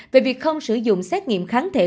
về việc không sử dụng xét nghiệm kháng thể